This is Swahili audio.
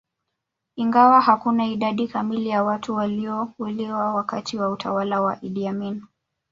Ingawa hakuna idadi kamili ya watu waliouliwa wakati wa utawala wa Idi Amin